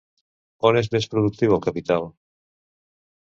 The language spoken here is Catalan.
On és més productiu el capital?